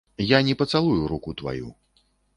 Я не пацалую руку тваю.